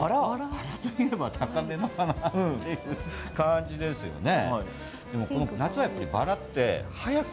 バラというと高根の花っていう感じですよね？